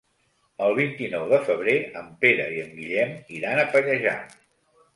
El vint-i-nou de febrer en Pere i en Guillem iran a Pallejà.